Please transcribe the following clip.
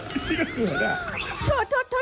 พี่ชีลูปเผื่อแล้ว